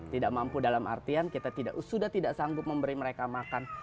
tidak mampu dalam artian kita sudah tidak sanggup memberi mereka makan